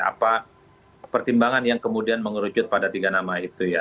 apa pertimbangan yang kemudian mengerucut pada tiga nama itu ya